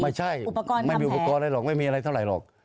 ไม่ใช่ไม่มีอุปกรณ์อะไรหรอกไม่มีอะไรเท่าไหร่หรอก